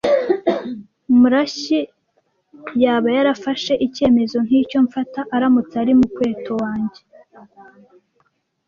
Murashyi yaba yarafashe icyemezo nkicyo mfata aramutse ari mukweto wanjye.